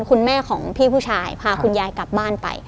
คุณแม่ของพี่ผู้ชายพาคุณยายกลับบ้านไป